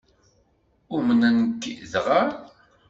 Umnen-k dɣa?